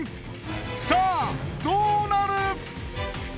さあどうなる！？